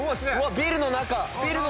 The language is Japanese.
ビルの中を。